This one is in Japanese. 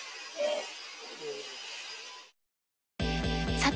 さて！